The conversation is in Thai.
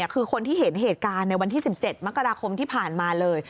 คือคนที่เห็นเหตุการณ์ในวันที่๑๗มกราคมที่ผ่านมาเลย